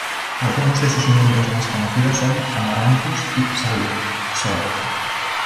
Algunos de sus miembros más conocidos son "Amaranthus" y "Salsola".